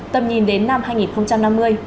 tầm nhìn đến năm hai nghìn năm mươi